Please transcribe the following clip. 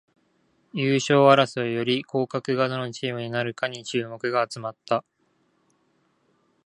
優勝争いより降格がどのチームになるかに注目が集まった